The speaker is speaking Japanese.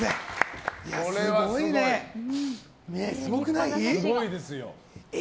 すごくない？